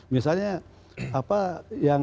misalnya apa yang